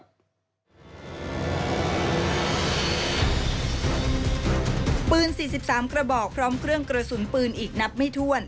ปืน๔๓กระบอกพร้อมเครื่องกระสุนปืนอีกนับไม่ถ้วน